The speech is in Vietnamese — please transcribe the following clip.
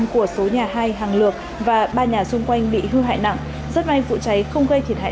của số nhà hai hàng lược và ba nhà xung quanh bị hư hại nặng rất may vụ cháy không gây thiệt hại